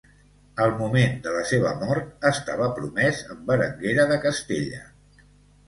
Al moment de la seva mort estava promés amb Berenguera de Castella.